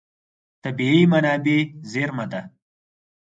طبیعي منابع زېرمه ده.